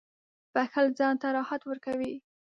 • بښل ځان ته راحت ورکوي.